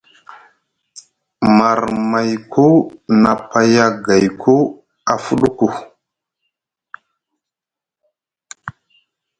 Marmayku nʼa paya gayku a fuɗuku.